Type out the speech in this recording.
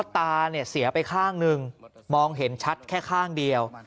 ตาเสียไปข้างหนึ่งมองเห็นชัดแค่ข้างเดียว